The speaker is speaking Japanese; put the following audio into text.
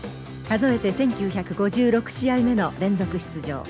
数えて１，９５６試合目の連続出場。